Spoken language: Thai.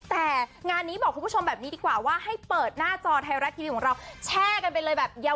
แต่งานนี้บอกคุณผู้ชมแบบนี้ดีกว่าว่าให้เปิดหน้าจอไทยรัฐทีวีของเราแช่กันไปเลยแบบยาว